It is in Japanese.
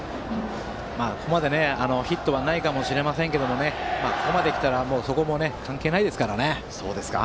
ここまでヒットはないかもしれませんがここまで来たらそこはもう関係ないですから。